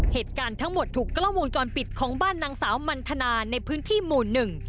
เหตุการณ์ทั้งหมดถูกกล้องวงจรปิดของบ้านนางสาวมันทนาในพื้นที่หมู่หนึ่ง